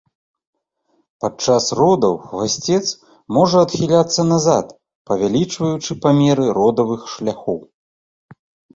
Падчас родаў хвасцец можа адхіляцца назад, павялічваючы памеры родавых шляхоў.